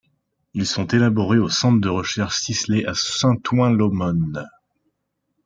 Ils sont élaborés au Centre de Recherche Sisley à Saint-Ouen l’Aumône.